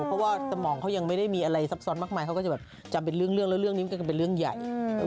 เพราะว่าสมองเขายังไม่ได้มีอะไรซับซ้อนมากมายเขาก็จะแบบจำเป็นเรื่องแล้วเรื่องนี้มันก็เป็นเรื่องใหญ่